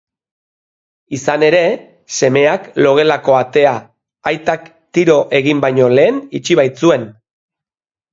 Izan ere, semeak logelako atea aitak tiro egin baino lehen itxi baitzuen.